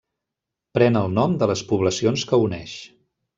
Pren el nom de les poblacions que uneix.